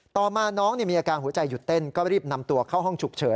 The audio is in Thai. ต่อมาน้องมีอาการหัวใจหยุดเต้นก็รีบนำตัวเข้าห้องฉุกเฉิน